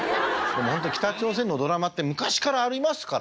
でも本当北朝鮮のドラマって昔からありますからね。